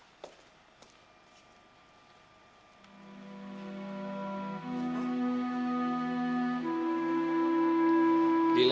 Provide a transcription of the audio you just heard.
untung kenapa trails